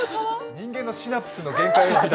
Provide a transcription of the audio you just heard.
人間のシナプスの限界。